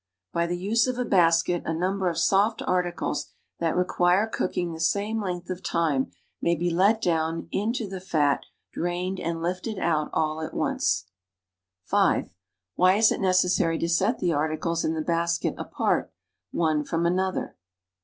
By the use of a basket a n u m ber of soft articles that re q u i r e cooking the same length of time may be let down in to the fat, SCOTCH BOWL. drained and lifted out all at once. 29 (5) ^^ hy i S it liece.ssai\>' to set the articles in the basket apart, one from another?